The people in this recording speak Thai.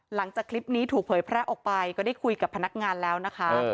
หลังจากคลิปนี้ถูกเผยแพร่ออกไปก็ได้คุยกับพนักงานแล้วนะคะ